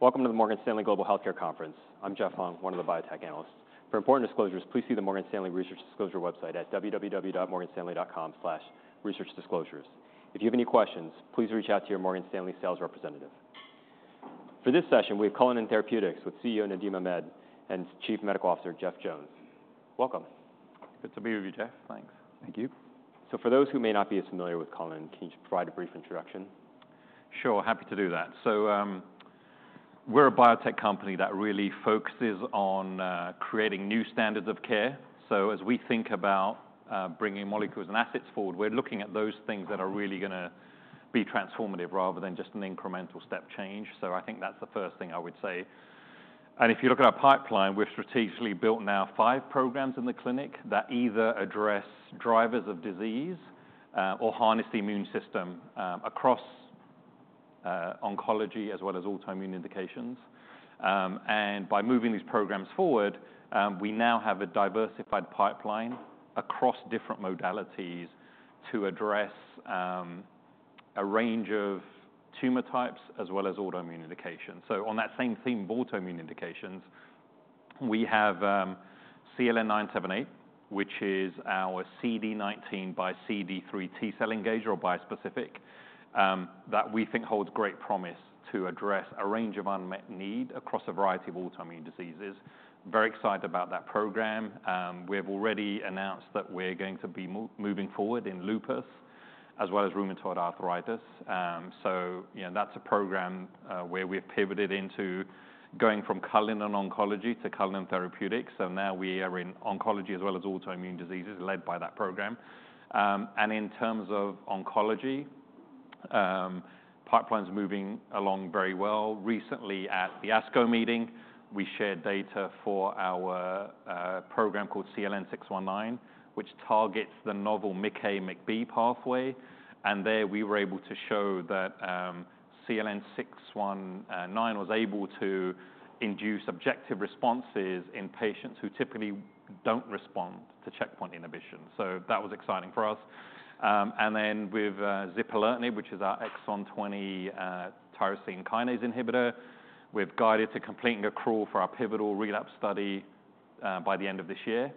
Welcome to the Morgan Stanley Global Healthcare conference. I'm Jeff Hung, one of the biotech analysts. For important disclosures, please see the Morgan Stanley Research Disclosure website at www.morganstanley.com/researchdisclosures. If you have any questions, please reach out to your Morgan Stanley sales representative. For this session, we have Cullinan Therapeutics with CEO, Nadim Ahmed, and Chief Medical Officer, Jeff Jones. Welcome. Good to be with you, Jeff. Thanks. Thank you. So for those who may not be as familiar with Cullinan, can you just provide a brief introduction? Sure, happy to do that. So, we're a biotech company that really focuses on, creating new standards of care. So as we think about, bringing molecules and assets forward, we're looking at those things that are really gonna be transformative rather than just an incremental step change. So I think that's the first thing I would say. And if you look at our pipeline, we've strategically built now five programs in the clinic that either address drivers of disease, or harness the immune system, across, oncology as well as autoimmune indications. And by moving these programs forward, we now have a diversified pipeline across different modalities to address, a range of tumor types as well as autoimmune indications. So on that same theme of autoimmune indications, we have CLN-978, which is our CD19 x CD3 T cell engager or bispecific, that we think holds great promise to address a range of unmet need across a variety of autoimmune diseases. Very excited about that program. We have already announced that we're going to be moving forward in lupus as well as rheumatoid arthritis. So, you know, that's a program, where we've pivoted into going from Cullinan Oncology to Cullinan Therapeutics, so now we are in oncology as well as autoimmune diseases, led by that program. And in terms of oncology, pipeline's moving along very well. Recently, at the ASCO meeting, we shared data for our program called CLN-619, which targets the novel MICA/B pathway. And there, we were able to show that, CLN-619 was able to induce objective responses in patients who typically don't respond to checkpoint inhibition, so that was exciting for us. And then with, zipalertinib, which is our exon 20, tyrosine kinase inhibitor, we've guided to completing accrual for our pivotal relapse study, by the end of this year.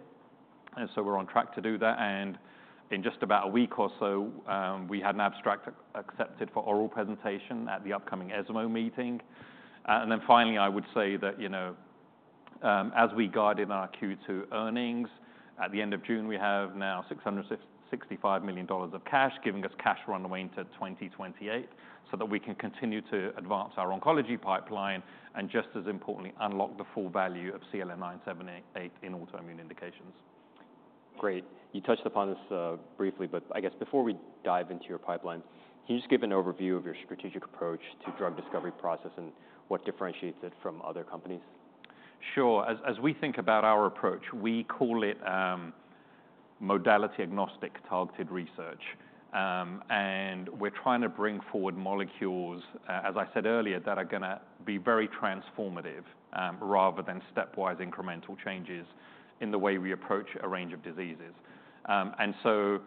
And so we're on track to do that, and in just about a week or so, we had an abstract accepted for oral presentation at the upcoming ESMO meeting. And then finally, I would say that, you know, as we guide in our Q2 earnings, at the end of June, we have now $665 million of cash, giving us cash runway into 2028, so that we can continue to advance our oncology pipeline, and just as importantly, unlock the full value of CLN-978 in autoimmune indications. Great. You touched upon this briefly, but I guess before we dive into your pipeline, can you just give an overview of your strategic approach to drug discovery process and what differentiates it from other companies? Sure. As we think about our approach, we call it, modality-agnostic targeted research. And we're trying to bring forward molecules, as I said earlier, that are gonna be very transformative, rather than stepwise incremental changes in the way we approach a range of diseases. And so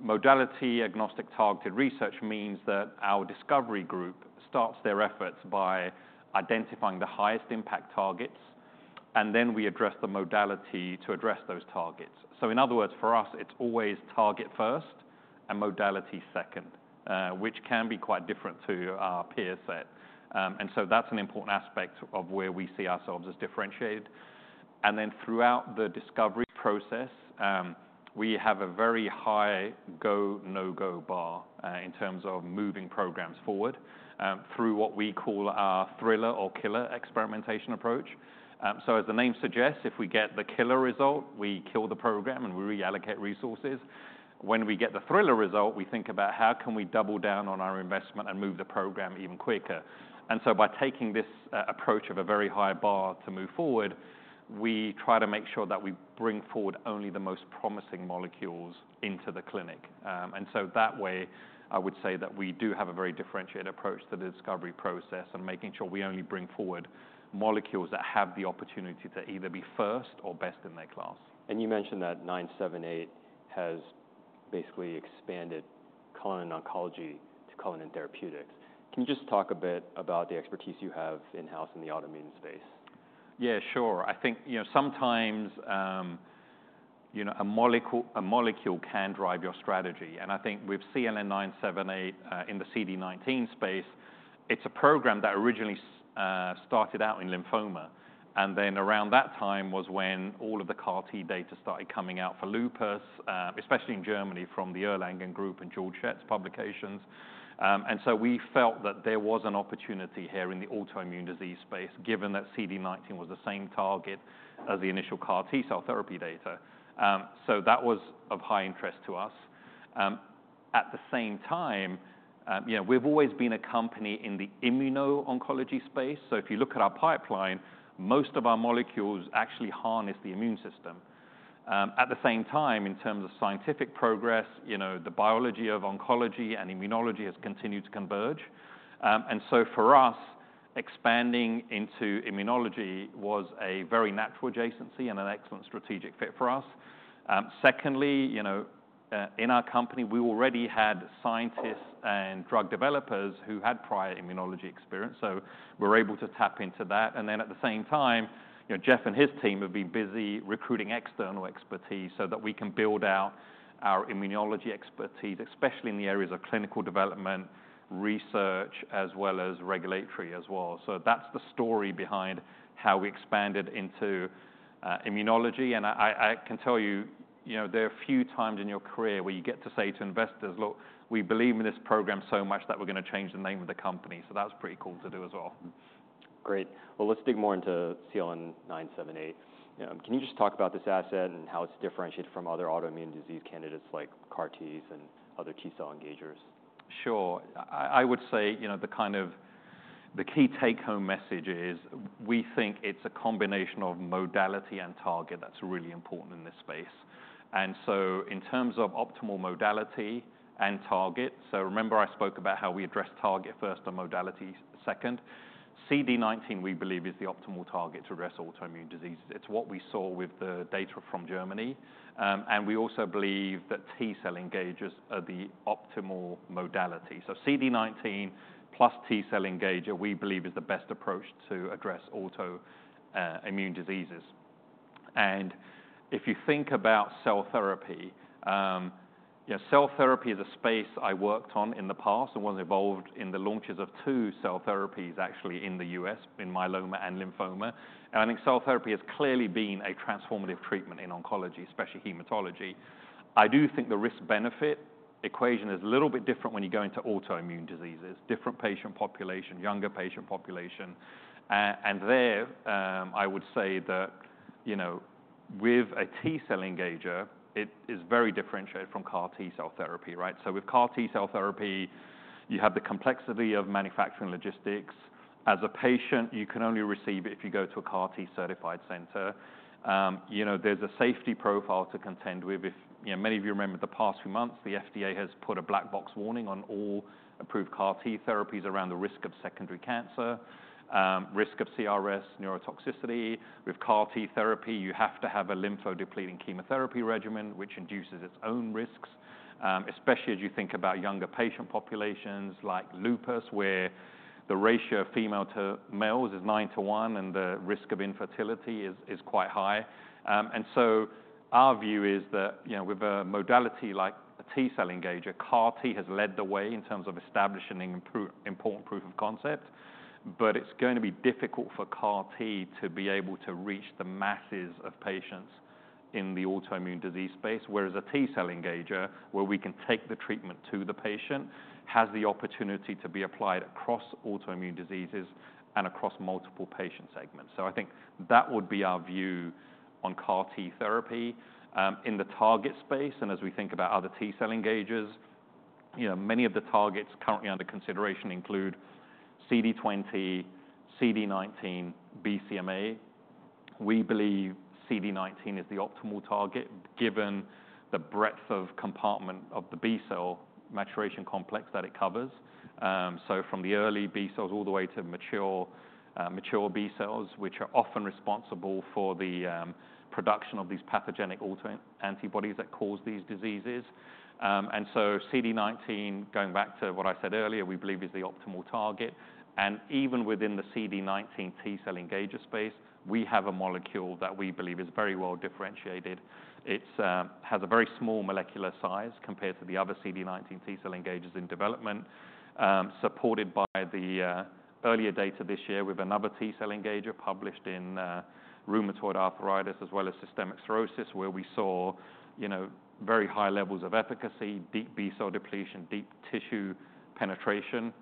modality-agnostic targeted research means that our discovery group starts their efforts by identifying the highest impact targets, and then we address the modality to address those targets. So in other words, for us, it's always target first and modality second, which can be quite different to our peer set. And so that's an important aspect of where we see ourselves as differentiated. And then throughout the discovery process, we have a very high go, no-go bar, in terms of moving programs forward, through what we call our thriller or killer experimentation approach. So as the name suggests, if we get the killer result, we kill the program, and we reallocate resources. When we get the thriller result, we think about how can we double down on our investment and move the program even quicker. And so by taking this approach of a very high bar to move forward, we try to make sure that we bring forward only the most promising molecules into the clinic. And so that way, I would say that we do have a very differentiated approach to the discovery process and making sure we only bring forward molecules that have the opportunity to either be first or best in their class. You mentioned that CLN-978 has basically expanded Cullinan Oncology to Cullinan Therapeutics. Can you just talk a bit about the expertise you have in-house in the autoimmune space? Yeah, sure. I think, you know, sometimes, you know, a molecule can drive your strategy, and I think with CLN-978, in the CD19 space, it's a program that originally started out in lymphoma. And then around that time was when all of the CAR-T data started coming out for lupus, especially in Germany, from the Erlangen group and Georg Schett's publications. And so we felt that there was an opportunity here in the autoimmune disease space, given that CD19 was the same target as the initial CAR-T cell therapy data. So that was of high interest to us. At the same time, you know, we've always been a company in the immuno-oncology space, so if you look at our pipeline, most of our molecules actually harness the immune system. At the same time, in terms of scientific progress, you know, the biology of oncology and immunology has continued to converge. And so for us, expanding into immunology was a very natural adjacency and an excellent strategic fit for us. Secondly, in our company, we already had scientists and drug developers who had prior immunology experience, so we're able to tap into that. And then at the same time, you know, Jeff and his team have been busy recruiting external expertise so that we can build out our immunology expertise, especially in the areas of clinical development, research, as well as regulatory as well. So that's the story behind how we expanded into immunology. I can tell you, you know, there are a few times in your career where you get to say to investors: "Look, we believe in this program so much that we're gonna change the name of the company." So that's pretty cool to do as well. Great. Let's dig more into CLN-978. Can you just talk about this asset and how it's differentiated from other autoimmune disease candidates like CAR-Ts and other T-cell engagers? Sure. I would say, you know, the kind of key take-home message is, we think it's a combination of modality and target that's really important in this space, and so in terms of optimal modality and target, so remember I spoke about how we address target first and modality second. CD19, we believe, is the optimal target to address autoimmune diseases. It's what we saw with the data from Germany. And we also believe that T cell engagers are the optimal modality, so CD19 plus T cell engager, we believe, is the best approach to address autoimmune diseases, and if you think about cell therapy, you know, cell therapy is a space I worked on in the past and was involved in the launches of two cell therapies, actually, in the U.S., in myeloma and lymphoma. I think cell therapy has clearly been a transformative treatment in oncology, especially hematology. I do think the risk-benefit equation is a little bit different when you go into autoimmune diseases, different patient population, younger patient population, and there I would say that, you know, with a T cell engager, it is very differentiated from CAR-T cell therapy, right? So with CAR-T cell therapy, you have the complexity of manufacturing logistics. As a patient, you can only receive it if you go to a CAR-T certified center. You know, there's a safety profile to contend with. You know, many of you remember the past few months, the FDA has put a black box warning on all approved CAR-T therapies around the risk of secondary cancer, risk of CRS neurotoxicity. With CAR-T therapy, you have to have a lymphodepleting chemotherapy regimen, which induces its own risks, especially as you think about younger patient populations like lupus, where the ratio of female to males is nine to one, and the risk of infertility is quite high, and so our view is that, you know, with a modality like a T cell engager, CAR-T has led the way in terms of establishing an important proof of concept, but it's going to be difficult for CAR-T to be able to reach the masses of patients in the autoimmune disease space, whereas a T cell engager, where we can take the treatment to the patient, has the opportunity to be applied across autoimmune diseases and across multiple patient segments, so I think that would be our view on CAR-T therapy. In the target space, and as we think about other T cell engagers, you know, many of the targets currently under consideration include CD20, CD19, BCMA. We believe CD19 is the optimal target, given the breadth of compartment of the B cell maturation complex that it covers. So from the early B cells all the way to mature B cells, which are often responsible for the production of these pathogenic autoantibodies that cause these diseases. And so CD19, going back to what I said earlier, we believe is the optimal target. And even within the CD19 T cell engager space, we have a molecule that we believe is very well differentiated. has a very small molecular size compared to the other CD19 T cell engagers in development, supported by the earlier data this year with another T cell engager published in rheumatoid arthritis as well as systemic sclerosis, where we saw, you know, very high levels of efficacy, deep B cell depletion, deep tissue penetration.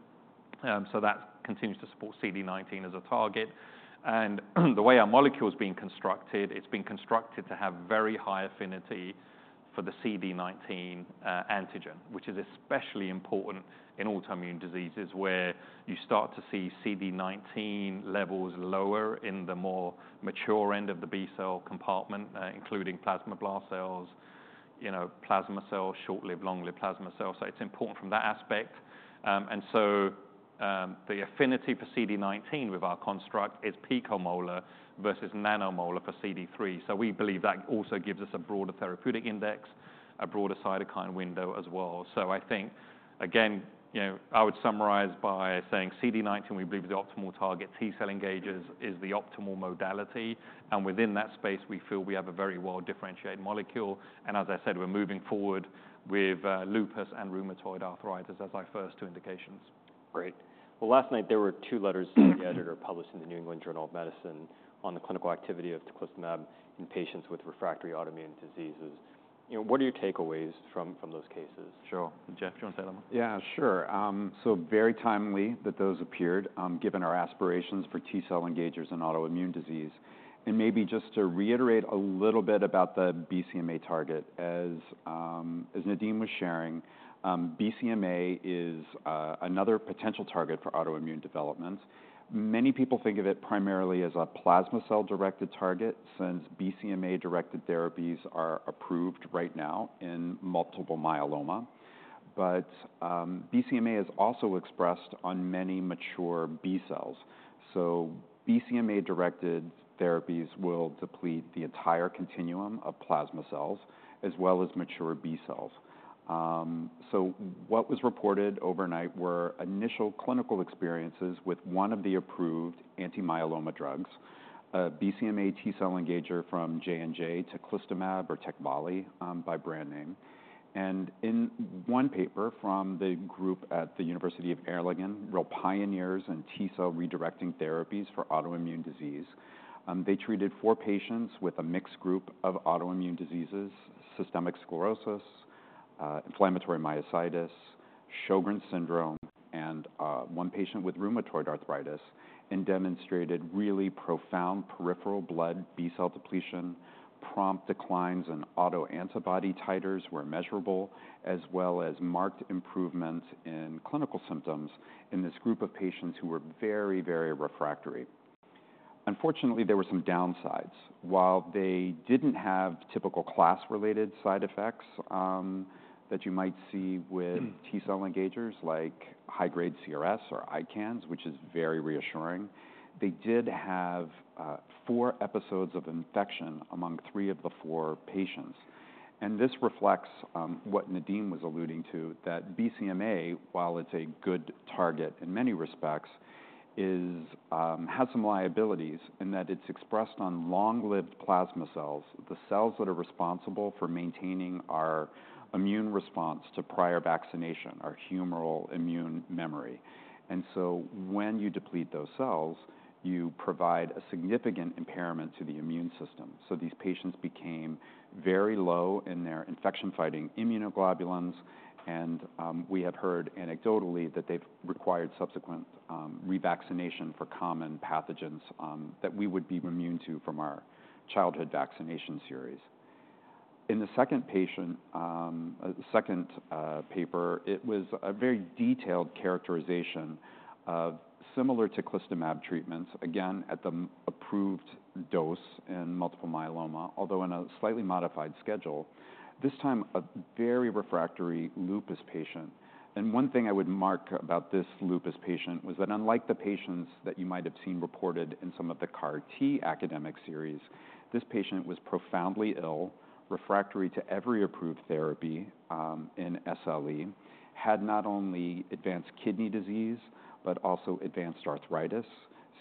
So that continues to support CD19 as a target. And the way our molecule is being constructed, it's been constructed to have very high affinity for the CD19 antigen, which is especially important in autoimmune diseases, where you start to see CD19 levels lower in the more mature end of the B-cell compartment, including plasmablast cells, you know, plasma cells, short-lived, long-lived plasma cells. So it's important from that aspect. And so, the affinity for CD19 with our construct is picomolar versus nanomolar for CD3. So we believe that also gives us a broader therapeutic index, a broader cytokine window as well. So I think, again, you know, I would summarize by saying CD19, we believe, is the optimal target. T cell engagers is the optimal modality, and within that space, we feel we have a very well-differentiated molecule. And as I said, we're moving forward with lupus and rheumatoid arthritis as our first two indications. Great. Well, last night there were two letters to the editor published in the New England Journal of Medicine on the clinical activity of teclistamab in patients with refractory autoimmune diseases. You know, what are your takeaways from those cases? Sure. Jeff, do you want to say anything? Yeah, sure. So very timely that those appeared, given our aspirations for T cell engagers in autoimmune disease, and maybe just to reiterate a little bit about the BCMA target. As Nadim was sharing, BCMA is another potential target for autoimmune development. Many people think of it primarily as a plasma cell-directed target, since BCMA-directed therapies are approved right now in multiple myeloma, but BCMA is also expressed on many mature B cells. So BCMA-directed therapies will deplete the entire continuum of plasma cells, as well as mature B cells, so what was reported overnight were initial clinical experiences with one of the approved anti-myeloma drugs, a BCMA T cell engager from J&J, teclistamab or TECVAYLI, by brand name. In one paper from the group at the University of Erlangen, real pioneers in T cell redirecting therapies for autoimmune disease, they treated four patients with a mixed group of autoimmune diseases: systemic sclerosis, inflammatory myositis, Sjögren's syndrome, and one patient with rheumatoid arthritis, and demonstrated really profound peripheral blood B cell depletion. Prompt declines in autoantibody titers were measurable, as well as marked improvement in clinical symptoms in this group of patients who were very, very refractory. Unfortunately, there were some downsides. While they didn't have typical class-related side effects, that you might see with- Mm T cell engagers, like high-grade CRS or ICANS, which is very reassuring. They did have four episodes of infection among three of the four patients. And this reflects what Nadim was alluding to, that BCMA, while it's a good target in many respects, has some liabilities in that it's expressed on long-lived plasma cells, the cells that are responsible for maintaining our immune response to prior vaccination, our humoral immune memory. And so when you deplete those cells, you provide a significant impairment to the immune system. So these patients became very low in their infection-fighting immunoglobulins, and we have heard anecdotally that they've required subsequent revaccination for common pathogens that we would be immune to from our childhood vaccination series. In the second patient... The second paper, it was a very detailed characterization of similar teclistamab treatments, again, at the approved dose in multiple myeloma, although in a slightly modified schedule. This time, a very refractory lupus patient, and one thing I would mark about this lupus patient was that unlike the patients that you might have seen reported in some of the CAR-T academic series, this patient was profoundly ill, refractory to every approved therapy in SLE, had not only advanced kidney disease, but also advanced arthritis,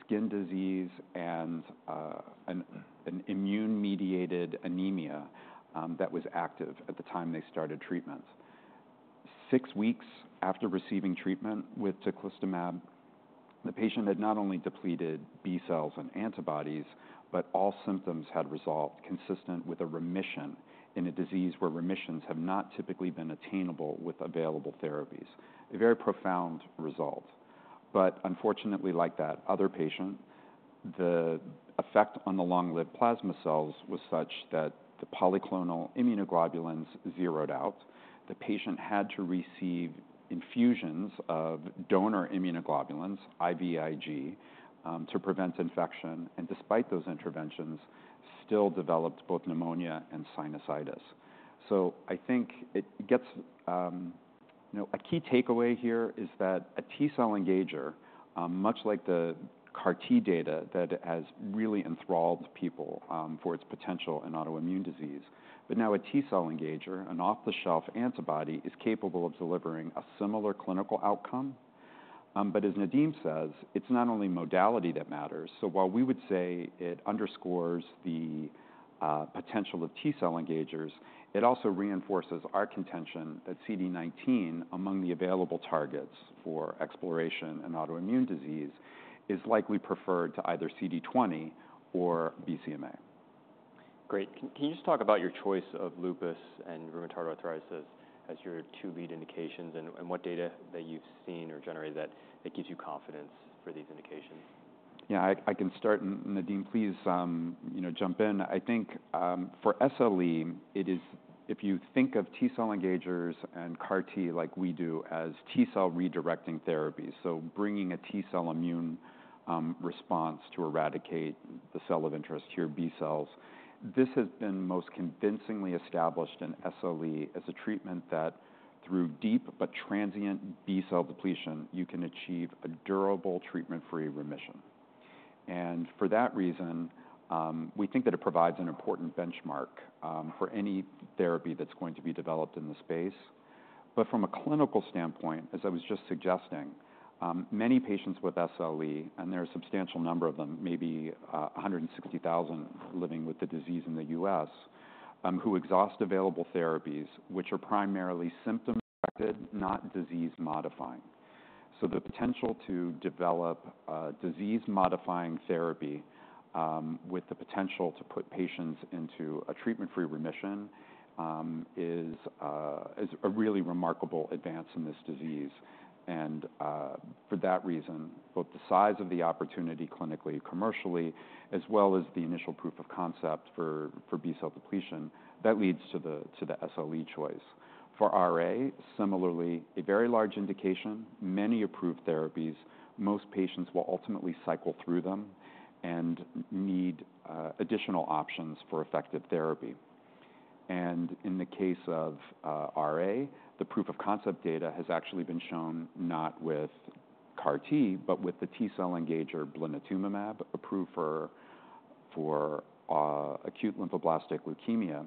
skin disease, and an immune-mediated anemia that was active at the time they started treatment. Six weeks after receiving treatment with teclistamab, the patient had not only depleted B cells and antibodies, but all symptoms had resolved consistent with a remission in a disease where remissions have not typically been attainable with available therapies. A very profound result. But unfortunately, like that other patient, the effect on the long-lived plasma cells was such that the polyclonal immunoglobulins zeroed out. The patient had to receive infusions of donor immunoglobulins, IVIG, to prevent infection, and despite those interventions, still developed both pneumonia and sinusitis. So I think it gets, you know. A key takeaway here is that a T cell engager, much like the CAR-T data that has really enthralled people, for its potential in autoimmune disease, but now a T cell engager, an off-the-shelf antibody, is capable of delivering a similar clinical outcome. But as Nadim says, it's not only modality that matters. So while we would say it underscores the potential of T cell engagers, it also reinforces our contention that CD19, among the available targets for exploration in autoimmune disease, is likely preferred to either CD20 or BCMA. Great. Can you just talk about your choice of lupus and rheumatoid arthritis as your two lead indications, and what data that you've seen or generated that gives you confidence for these indications? Yeah, I can start, and Nadim, please, you know, jump in. I think, for SLE, it is... if you think of T cell engagers and CAR-T like we do, as T cell redirecting therapies, so bringing a T cell immune, response to eradicate the cell of interest, here B cells, this has been most convincingly established in SLE as a treatment that, through deep but transient B cell depletion, you can achieve a durable treatment-free remission. And for that reason, we think that it provides an important benchmark, for any therapy that's going to be developed in the space. But from a clinical standpoint, as I was just suggesting, many patients with SLE, and there are a substantial number of them, maybe, 160,000 living with the disease in the U.S., who exhaust available therapies, which are primarily symptom-directed, not disease-modifying. So the potential to develop a disease-modifying therapy, with the potential to put patients into a treatment-free remission, is a really remarkable advance in this disease. And for that reason, both the size of the opportunity clinically and commercially, as well as the initial proof of concept for B cell depletion, that leads to the SLE choice. For RA, similarly, a very large indication, many approved therapies, most patients will ultimately cycle through them and need additional options for effective therapy. In the case of RA, the proof of concept data has actually been shown not with CAR-T, but with the T cell engager blinatumomab, approved for acute lymphoblastic leukemia.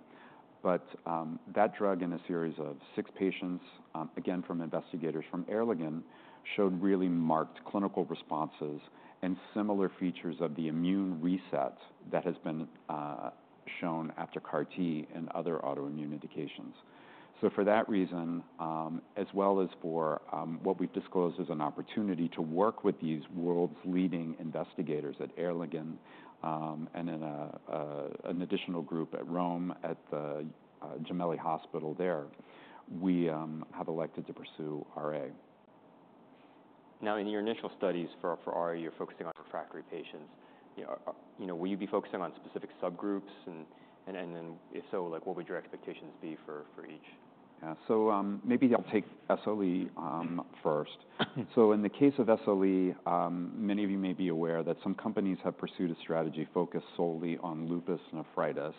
That drug in a series of six patients, again, from investigators from Erlangen, showed really marked clinical responses and similar features of the immune reset that has been shown after CAR-T and other autoimmune indications. For that reason, as well as for what we've disclosed as an opportunity to work with these world's leading investigators at Erlangen, and in an additional group at Rome, at the Gemelli Hospital there, we have elected to pursue RA. Now, in your initial studies for RA, you're focusing on refractory patients. You know, will you be focusing on specific subgroups? And then if so, like, what would your expectations be for each? Yeah, so maybe I'll take SLE first, so in the case of SLE, many of you may be aware that some companies have pursued a strategy focused solely on lupus nephritis.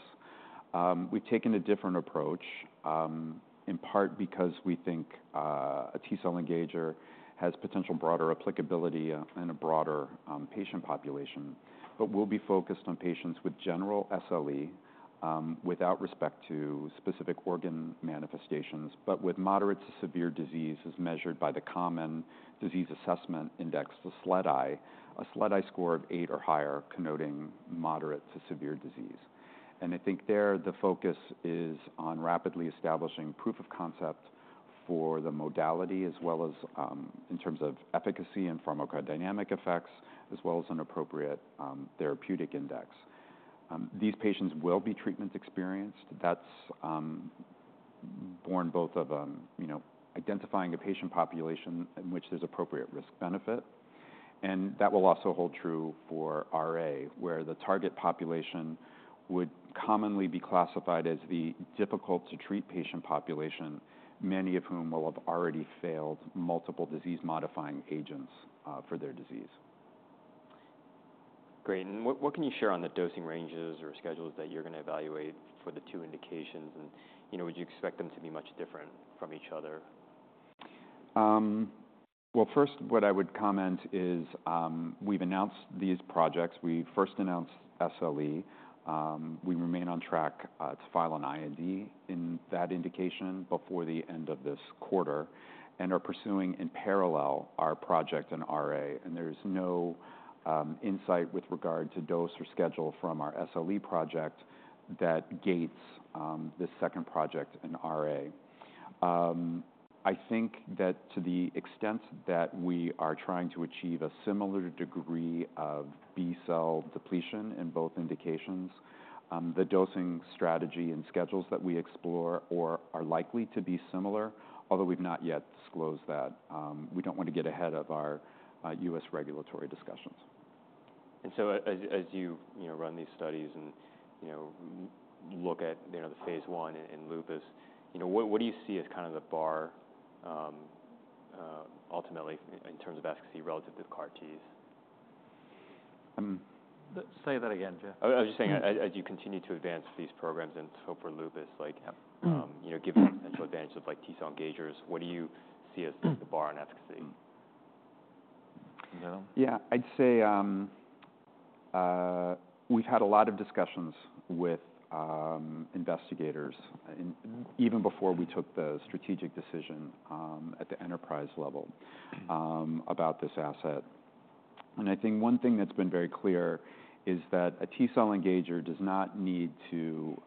We've taken a different approach in part because we think a T cell engager has potential broader applicability and a broader patient population, but we'll be focused on patients with general SLE without respect to specific organ manifestations, but with moderate to severe disease, as measured by the common disease assessment index, the SLEDAI. A SLEDAI score of eight or higher connoting moderate to severe disease, and I think there the focus is on rapidly establishing proof of concept for the modality, as well as in terms of efficacy and pharmacodynamic effects, as well as an appropriate therapeutic index. These patients will be treatment experienced. That's born both of you know, identifying a patient population in which there's appropriate risk benefit, and that will also hold true for RA, where the target population would commonly be classified as the difficult to treat patient population, many of whom will have already failed multiple disease-modifying agents for their disease. Great. And what, what can you share on the dosing ranges or schedules that you're going to evaluate for the two indications? And, you know, would you expect them to be much different from each other? First, what I would comment is, we've announced these projects. We first announced SLE. We remain on track to file an IND in that indication before the end of this quarter, and are pursuing in parallel our project in RA, and there's no insight with regard to dose or schedule from our SLE project that gates this second project in RA. I think that to the extent that we are trying to achieve a similar degree of B cell depletion in both indications, the dosing strategy and schedules that we explore or are likely to be similar, although we've not yet disclosed that. We don't want to get ahead of our US regulatory discussions. And so, as you know, as you run these studies and, you know, look at, you know, the phase 1 in lupus, you know, what do you see as kind of the bar ultimately in terms of efficacy relative to CAR-Ts? Say that again, Jeff. I was just saying, as you continue to advance these programs and so for lupus, like- Yep. You know, given the potential advantage of, like, T cell engagers, what do you see as the bar on efficacy? Yeah, I'd say, we've had a lot of discussions with investigators, and even before we took the strategic decision, at the enterprise level, about this asset. And I think one thing that's been very clear is that a T cell engager does not need to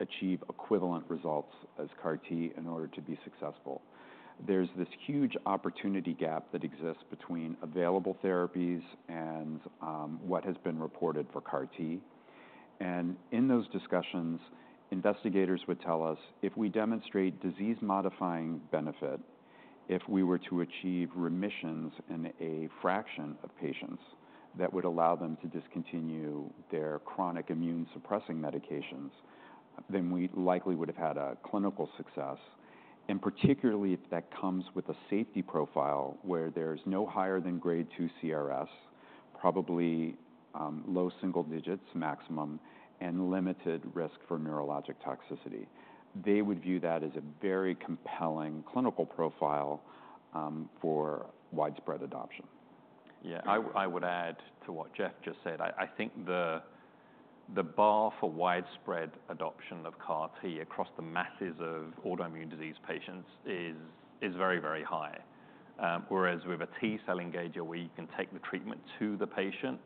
achieve equivalent results as CAR-T in order to be successful. There's this huge opportunity gap that exists between available therapies and what has been reported for CAR-T. And in those discussions, investigators would tell us if we demonstrate disease-modifying benefit, if we were to achieve remissions in a fraction of patients, that would allow them to discontinue their chronic immune-suppressing medications, then we likely would have had a clinical success. And particularly, if that comes with a safety profile where there's no higher than grade two CRS, probably low single digits maximum, and limited risk for neurologic toxicity. They would view that as a very compelling clinical profile for widespread adoption. Yeah. Mm-hmm. I would add to what Jeff just said. I think the bar for widespread adoption of CAR-T across the masses of autoimmune disease patients is very, very high. Whereas with a T cell engager, where you can take the treatment to the patient...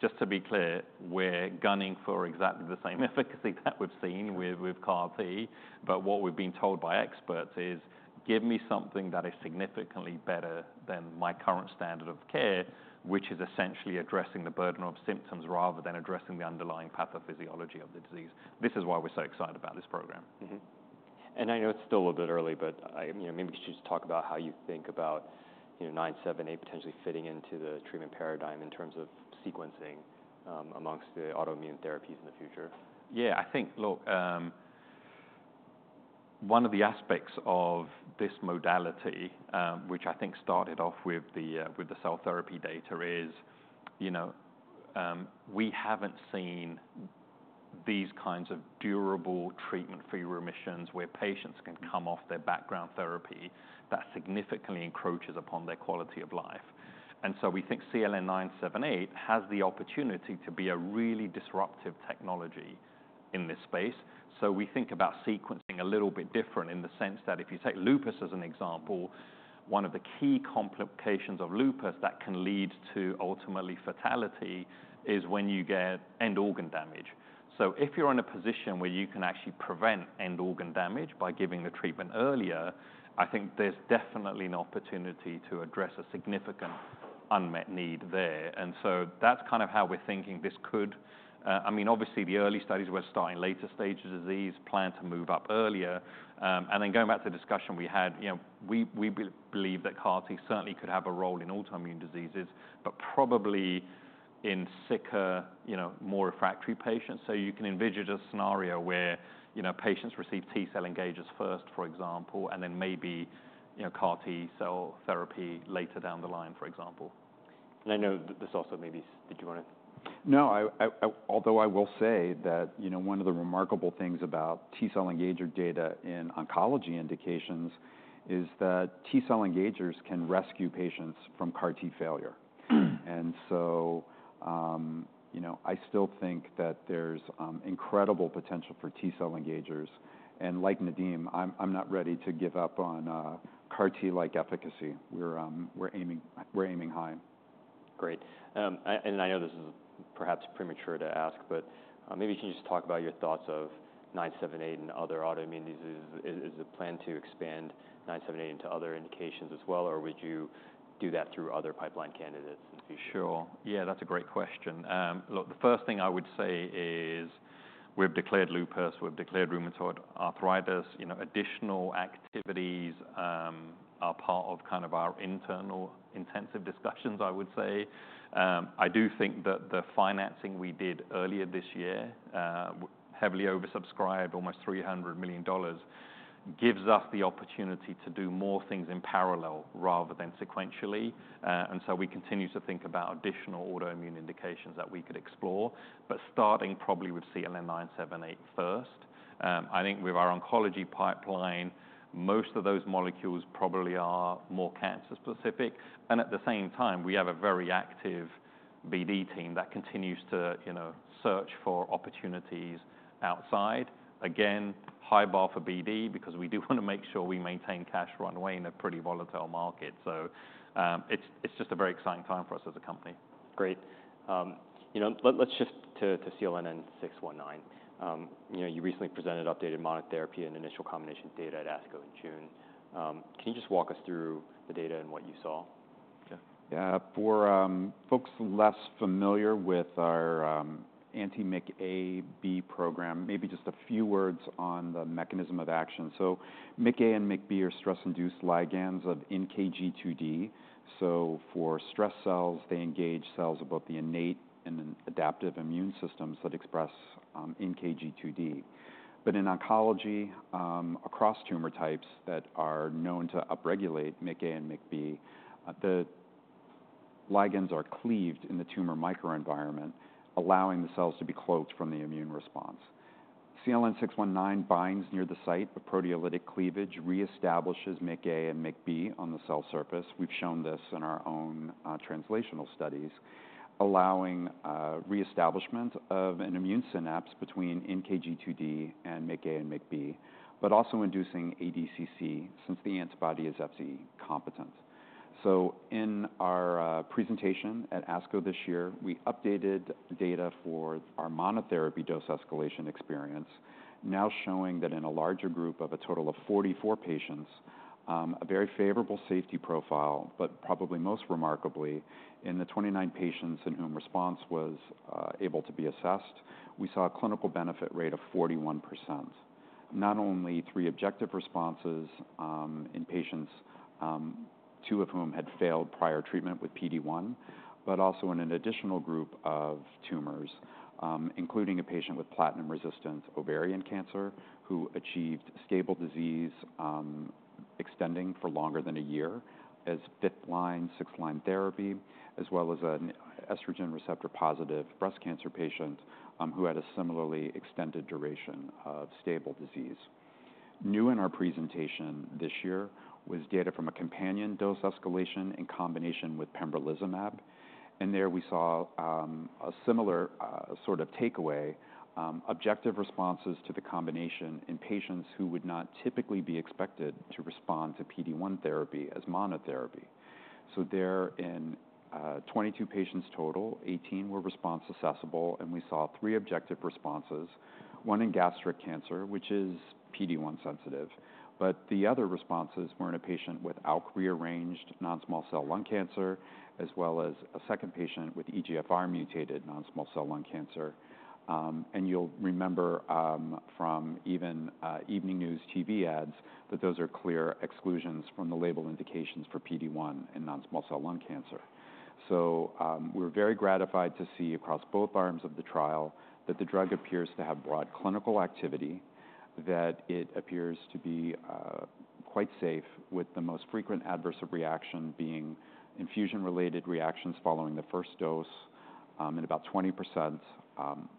Just to be clear, we're gunning for exactly the same efficacy that we've seen with CAR-T, but what we've been told by experts is, "Give me something that is significantly better than my current standard of care, which is essentially addressing the burden of symptoms rather than addressing the underlying pathophysiology of the disease." This is why we're so excited about this program. Mm-hmm. I know it's still a little bit early, but you know, maybe we should just talk about how you think about, you know, CLN-978 potentially fitting into the treatment paradigm in terms of sequencing among the autoimmune therapies in the future. Yeah, I think... Look, ...One of the aspects of this modality, which I think started off with the cell therapy data is, you know, we haven't seen these kinds of durable treatment-free remissions where patients can come off their background therapy that significantly encroaches upon their quality of life. And so we think CLN-978 has the opportunity to be a really disruptive technology in this space. So we think about sequencing a little bit different in the sense that if you take lupus as an example, one of the key complications of lupus that can lead to ultimately fatality is when you get end organ damage. So if you're in a position where you can actually prevent end organ damage by giving the treatment earlier, I think there's definitely an opportunity to address a significant unmet need there. And so that's kind of how we're thinking this could. I mean, obviously, the early studies were starting later stages of disease, plan to move up earlier. And then going back to the discussion we had, you know, we believe that CAR-T certainly could have a role in autoimmune diseases, but probably in sicker, you know, more refractory patients. So you can envisage a scenario where, you know, patients receive T cell engagers first, for example, and then maybe, you know, CAR-T cell therapy later down the line, for example. And I know this also maybe... Did you want to? No, although I will say that, you know, one of the remarkable things about T cell engager data in oncology indications is that T cell engagers can rescue patients from CAR-T failure. And so, you know, I still think that there's incredible potential for T cell engagers, and like Nadim, I'm not ready to give up on CAR-T like efficacy. We're aiming high. Great. And I know this is perhaps premature to ask, but maybe can you just talk about your thoughts of CLN-978 and other autoimmune diseases? Is the plan to expand CLN-978 into other indications as well, or would you do that through other pipeline candidates? Sure. Yeah, that's a great question. Look, the first thing I would say is we've declared lupus, we've declared rheumatoid arthritis. You know, additional activities are part of kind of our internal intensive discussions, I would say. I do think that the financing we did earlier this year, heavily oversubscribed, almost $300 million, gives us the opportunity to do more things in parallel rather than sequentially. And so we continue to think about additional autoimmune indications that we could explore, but starting probably with CLN-978 first. I think with our oncology pipeline, most of those molecules probably are more cancer specific, and at the same time, we have a very active BD team that continues to, you know, search for opportunities outside. Again, high bar for BD, because we do want to make sure we maintain cash runway in a pretty volatile market. So, it's just a very exciting time for us as a company. Great. You know, let's shift to CLN-619. You know, you recently presented updated monotherapy and initial combination data at ASCO in June. Can you just walk us through the data and what you saw? Yeah. Yeah, for folks less familiar with our anti-MICA/B program, maybe just a few words on the mechanism of action, so MICA and MICB are stress-induced ligands of NKG2D, so for stressed cells, they engage cells of both the innate and adaptive immune systems that express NKG2D, but in oncology, across tumor types that are known to upregulate MICA and MICB, the ligands are cleaved in the tumor microenvironment, allowing the cells to be cloaked from the immune response. CLN-619 binds near the site of proteolytic cleavage, reestablishes MICA and MICB on the cell surface. We've shown this in our own translational studies, allowing reestablishment of an immune synapse between NKG2D and MICA and MICB, but also inducing ADCC, since the antibody is Fc competent. So in our presentation at ASCO this year, we updated data for our monotherapy dose escalation experience, now showing that in a larger group of a total of 44 patients, a very favorable safety profile, but probably most remarkably, in the 29 patients in whom response was able to be assessed, we saw a clinical benefit rate of 41%. Not only three objective responses in patients, two of whom had failed prior treatment with PD-1, but also in an additional group of tumors, including a patient with platinum-resistant ovarian cancer, who achieved stable disease extending for longer than a year as 5th-line, 6th-line therapy, as well as an estrogen receptor-positive breast cancer patient, who had a similarly extended duration of stable disease. New in our presentation this year was data from a companion dose escalation in combination with pembrolizumab, and there we saw a similar sort of takeaway, objective responses to the combination in patients who would not typically be expected to respond to PD-1 therapy as monotherapy. So there in 22 patients total, 18 were response assessable, and we saw three objective responses, one in gastric cancer, which is PD-1 sensitive, but the other responses were in a patient with ALK rearranged non-small cell lung cancer, as well as a second patient with EGFR mutated non-small cell lung cancer. And you'll remember from evening news TV ads that those are clear exclusions from the label indications for PD-1 in non-small cell lung cancer. We're very gratified to see across both arms of the trial that the drug appears to have broad clinical activity, that it appears to be quite safe, with the most frequent adverse reaction being infusion-related reactions following the first dose, in about 20%,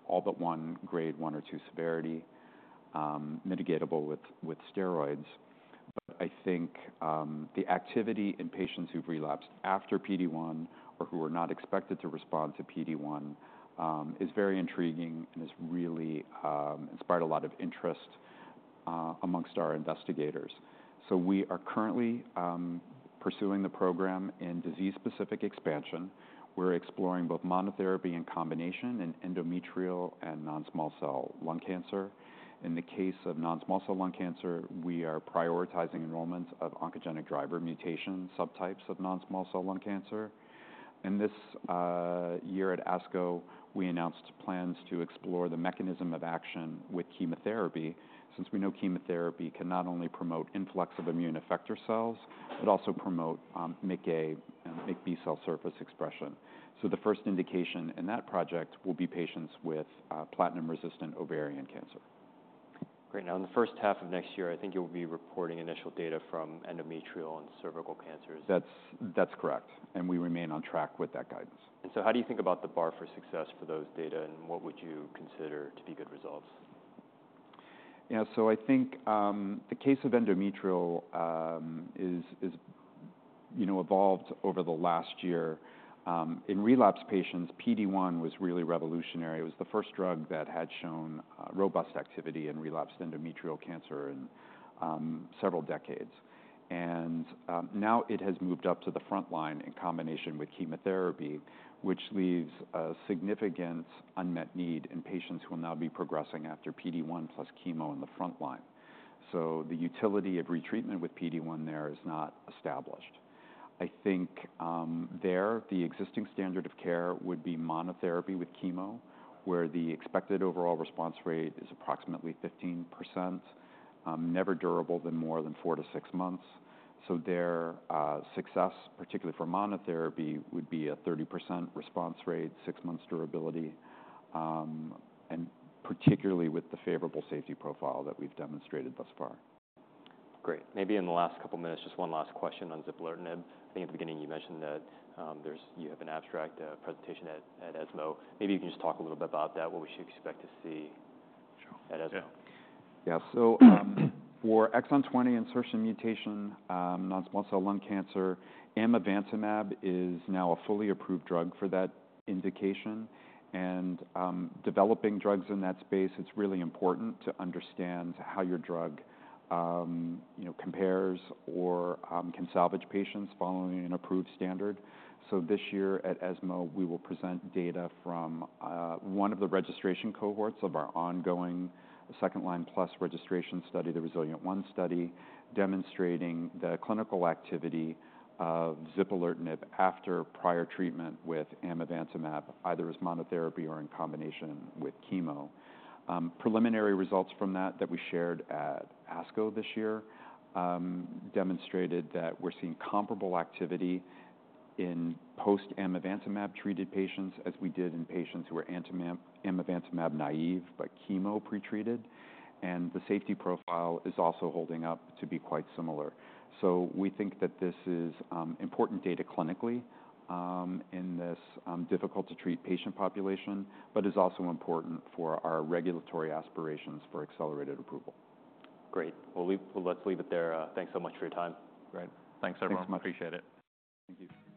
all but one grade one or two severity, mitigatable with steroids. I think the activity in patients who've relapsed after PD-1 or who were not expected to respond to PD-1 is very intriguing and has really inspired a lot of interest among our investigators. We are currently pursuing the program in disease-specific expansion. We're exploring both monotherapy and combination in endometrial and non-small cell lung cancer. In the case of non-small cell lung cancer, we are prioritizing enrollment of oncogenic driver mutation subtypes of non-small cell lung cancer. This year at ASCO, we announced plans to explore the mechanism of action with chemotherapy, since we know chemotherapy can not only promote influx of immune effector cells, but also promote MICA and MICB cell surface expression. The first indication in that project will be patients with platinum-resistant ovarian cancer. Great. Now, in the first half of next year, I think you'll be reporting initial data from endometrial and cervical cancers. That's correct, and we remain on track with that guidance. How do you think about the bar for success for those data, and what would you consider to be good results? Yeah, so I think the case of endometrial is, you know, evolved over the last year. In relapse patients, PD-1 was really revolutionary. It was the first drug that had shown robust activity in relapsed endometrial cancer in several decades. And now it has moved up to the front line in combination with chemotherapy, which leaves a significant unmet need in patients who will now be progressing after PD-1 plus chemo in the front line. So the utility of retreatment with PD-1 there is not established. I think there, the existing standard of care would be monotherapy with chemo, where the expected overall response rate is approximately 15%, never durable than more than 4-6 months. So there success, particularly for monotherapy, would be a 30% response rate, six months durability, and particularly with the favorable safety profile that we've demonstrated thus far. Great. Maybe in the last couple minutes, just one last question on zipalertinib. I think at the beginning you mentioned that, there's you have an abstract presentation at ESMO. Maybe you can just talk a little bit about that, what we should expect to see? Sure. -at ESMO. Yeah. So, for exon 20 insertion mutation, non-small cell lung cancer, amivantamab is now a fully approved drug for that indication, and developing drugs in that space, it's really important to understand how your drug, you know, compares or, can salvage patients following an approved standard, so this year at ESMO, we will present data from one of the registration cohorts of our ongoing second-line plus registration study, the REZILIENT-1 study, demonstrating the clinical activity of zipalertinib after prior treatment with amivantamab, either as monotherapy or in combination with chemo. Preliminary results from that we shared at ASCO this year demonstrated that we're seeing comparable activity in post-amivantamab-treated patients as we did in patients who were amivantamab-naive, but chemo pretreated, and the safety profile is also holding up to be quite similar. So we think that this is important data clinically in this difficult-to-treat patient population, but is also important for our regulatory aspirations for accelerated approval. Great. Well, let's leave it there. Thanks so much for your time. Great. Thanks, everyone. Thanks so much. Appreciate it. Thank you.